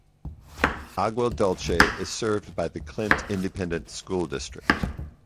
Agua Dulce is served by the Clint Independent School District.